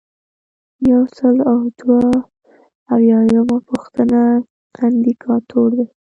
یو سل او دوه اویایمه پوښتنه اندیکاتور دی.